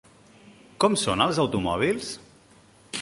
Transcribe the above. Com són els automòbils?